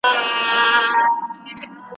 دا یوه غزل خو نه وه دلته نور شعرونه هم سته.